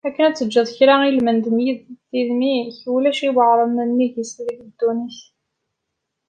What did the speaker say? Akken ad tgeḍ kra ilmend n tidmi-k, ulac i iweεren nnig-s deg ddunit.